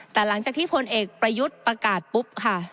แต่หลังจากที่พลเอกประยุทธ์ประกาศปุ๊บค่ะ